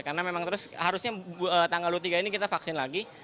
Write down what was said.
karena memang terus harusnya tanggal dua puluh tiga ini kita vaksin lagi